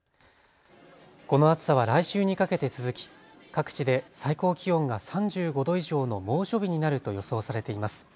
この暑さは来週にかけて続き各地で最高気温が３５度以上の猛暑日になると予想されています。